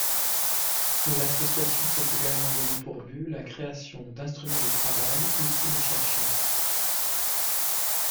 L'association s'est également donnée pour but la création d'instruments de travail utiles aux chercheurs.